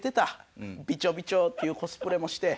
「“びちょびちょ”っていうコスプレもして」。